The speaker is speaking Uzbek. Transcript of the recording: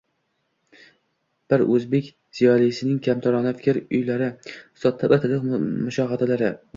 bir o‘zbek ziyolisining kamtarona fikr-uylari, sodda va tiniq mushohadalari